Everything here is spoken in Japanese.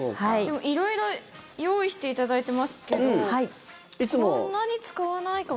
色々用意していただいてますけどこんなに使わないかも。